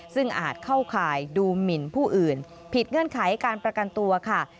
ซึ่งอาจเข้าข่ายดูหมินผู้อื่นผิดเงื่อนไขการประกันตัวค่ะ